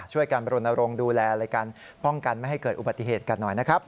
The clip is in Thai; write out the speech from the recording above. ช่วยกันบรรณโรงดูแลเลยกันป้องกันไม่ให้เกิดอุบัติเหตุกันหน่อยนะครับ